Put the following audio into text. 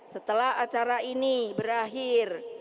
setelah acara ini berakhir